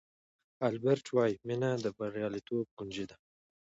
البرټ وایي مینه د بریالیتوب کونجي ده.